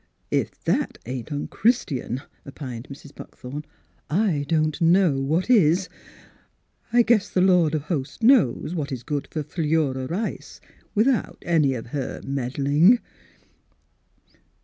"" If that ain't unchristian," opined Mrs. Buckthorn, " I don't know what is ! I guess the Lord of Hosts knows what is good for Philura Rice without any of her meddling."